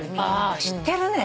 知ってるね。